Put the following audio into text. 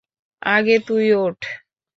আগে তুই ওঠ।